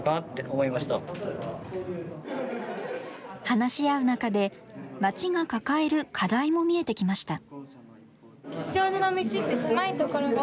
話し合う中で、まちが抱える課題も見えてきました。